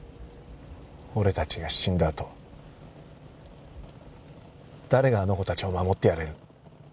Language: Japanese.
俺たちが死んだ後誰があの子たちを守ってやれる？